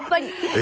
え⁉